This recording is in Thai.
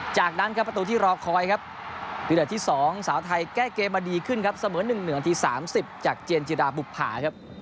จากนั้นประตูที่ลอคอยครับตัวเดิมที่๒สาวไทยแก้เกมมาดีขึ้นครับเสมอ๑๑ที่๓๐จากเจียนจิราปุภา